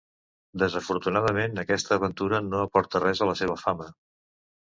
Desafortunadament, aquesta aventura no aporta res a la seva fama.